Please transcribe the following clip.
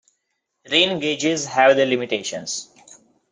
Rain gauges have their limitations.